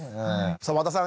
さあ和田さん